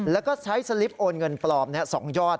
แล้วก็ใช้สลิปโอนเงินปลอม๒ยอด